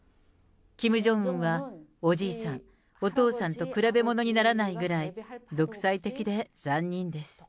キム・ジョンウンは、おじいさん、お父さんと比べ物にならないぐらい、独裁的で残忍です。